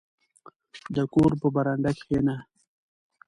• د کور په برنډه کښېنه.